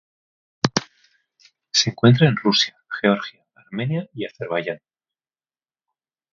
Se encuentra en Rusia, Georgia, Armenia y Azerbaiyán.